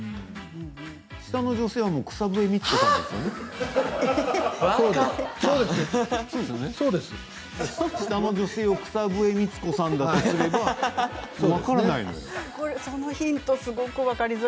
下の女性は草笛光子さんですよね。